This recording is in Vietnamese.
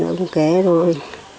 ông kẻ thôi